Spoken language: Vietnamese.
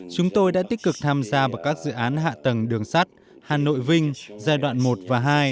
chúng tôi đã tích cực tham gia vào các dự án hạ tầng đường sắt hà nội vinh giai đoạn một và hai